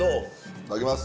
いただきます。